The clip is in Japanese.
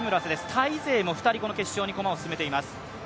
タイ勢も２人、この決勝に駒を進めています。